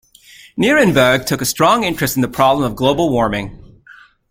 Nierenberg took a strong interest in the problem of global warming.